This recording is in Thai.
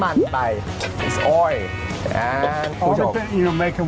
เมโน้วที่คุณโรเจอส์จะทำให้เราให้ทาน